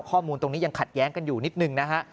ข้อมูลตรงนี้ยังขัดแย้งกันอยู่นิดนึงนะฮะ